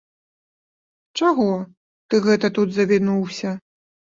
Чаго ты гэта тут завінуўся?